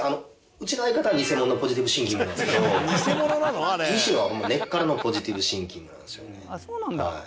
うちの相方は偽物のポジティブシンキングなんですけど西野はホンマ根っからのポジティブシンキングなんですよね。